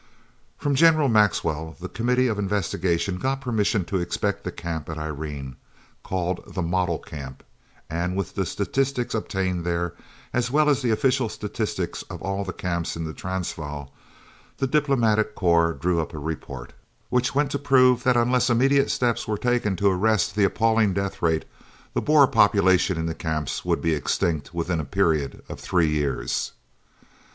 From General Maxwell the committee of investigation got permission to inspect the Camp at Irene, called the "Model Camp," and with the statistics obtained there, as well as the official statistics of all the camps in the Transvaal, the Diplomatic Corps drew up a report, which went to prove that unless immediate steps were taken to arrest the appalling death rate, the Boer population in the camps would be extinct within a period of three years.